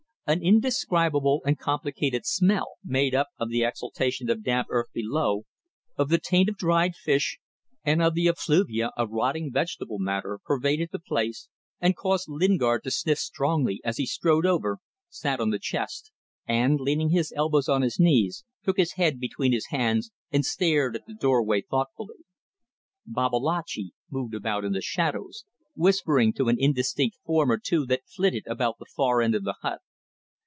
An indescribable and complicated smell, made up of the exhalation of damp earth below, of the taint of dried fish and of the effluvia of rotting vegetable matter, pervaded the place and caused Lingard to sniff strongly as he strode over, sat on the chest, and, leaning his elbows on his knees, took his head between his hands and stared at the doorway thoughtfully. Babalatchi moved about in the shadows, whispering to an indistinct form or two that flitted about at the far end of the hut.